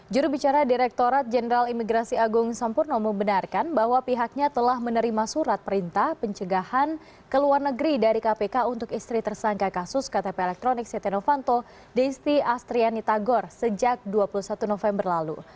jurubicara direktorat jenderal imigrasi agung sampurno membenarkan bahwa pihaknya telah menerima surat perintah pencegahan ke luar negeri dari kpk untuk istri tersangka kasus ktp elektronik setia novanto desti astriani tagor sejak dua puluh satu november lalu